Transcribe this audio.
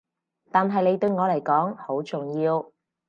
但係你對我嚟講好重要